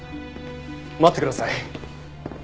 待ってください。